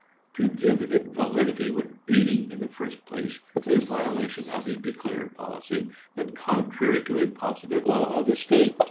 To give it validity would be, in the first place, a violation of the declared policy, and contrary to a positive law of the state.